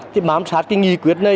thì bám sát cái nghi quyết này